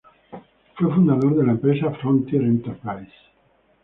Fue fundador de la empresa Frontier Enterprises.